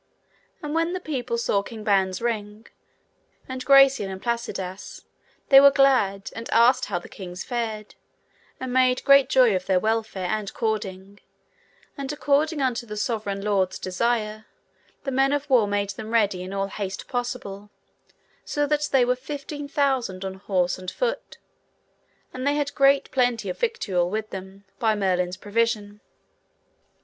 And when the people saw King Ban's ring, and Gracian and Placidas, they were glad, and asked how the kings fared, and made great joy of their welfare and cording, and according unto the sovereign lords desire, the men of war made them ready in all haste possible, so that they were fifteen thousand on horse and foot, and they had great plenty of victual with them, by Merlin's provision.